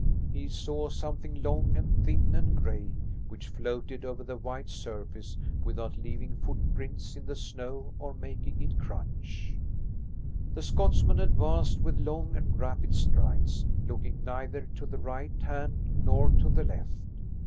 He saw something long and thin and gray, which floated over the white surface without leaving footprints in the snow or making it crunch. The Scotsman advanced with long and rapid strides, looking neither to the right hand nor to the left.